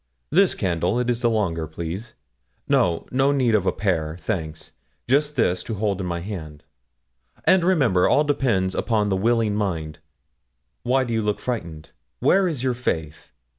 This candle, it is the longer, please; no no need of a pair, thanks; just this, to hold in my hand. And remember, all depends upon the willing mind. Why do you look frightened? Where is your faith?